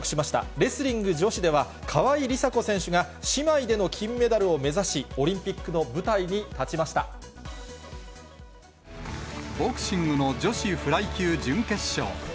レスリング女子では、川井梨紗子選手が姉妹での金メダルを目指し、ボクシングの女子フライ級準決勝。